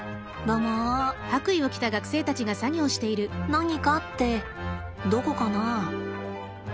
「何か」ってどこかな。